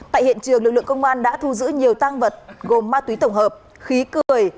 tại hiện trường lực lượng công an đã thu giữ nhiều tăng vật gồm ma túy tổng hợp khí cười